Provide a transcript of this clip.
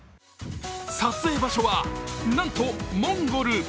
撮影場所は、なんとモンゴル。